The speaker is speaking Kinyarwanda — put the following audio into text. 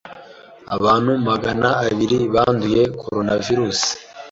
abantu Magana abiri banduye coronavirus,